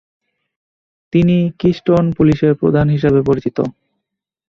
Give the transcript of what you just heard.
তিনি কিস্টোন পুলিশের প্রধান হিসেবে পরিচিত।